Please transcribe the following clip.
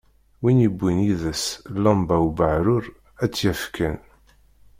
Win yewwin yid-s llamba ubeεṛur ad tt-yaf kan.